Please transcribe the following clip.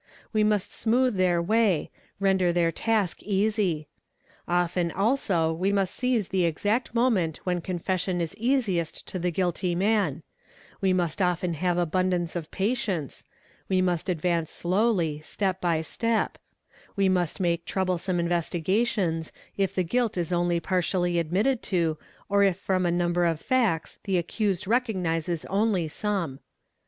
We must smooth their way, render their task easy. Often also we must seize the exact moment when confession | is easiest to the guilty man; we must often have abundance of patience; we must advance slowly, step by step; we must make troublesome investigations, if the guilt is only partially admitted or if from a number of facts the accused recognises only some.